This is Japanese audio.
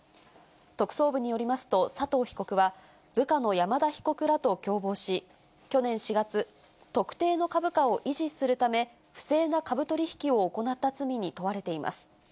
特捜部によりますと、佐藤被告は、部下の山田被告らと共謀し、去年４月、特定の株価を維持するため、不正な株取り引きを行った罪に問われています。